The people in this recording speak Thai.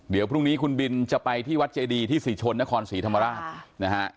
เดี๋ยวพรุ่งนี้คุณบินจะไปที่วัดเจดีที่ศรีชนนครศรีธรรมราชนะฮะ